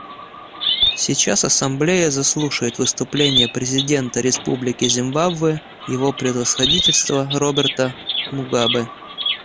Сейчас Ассамблея заслушает выступление президента Республики Зимбабве Его Превосходительства Роберта Мугабе.